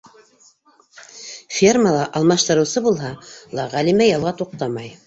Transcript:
Фермала алмаштырыусы булһа ла Ғәлимә ялға туҡтамай.